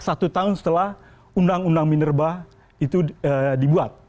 satu tahun setelah undang undang minerba itu dibuat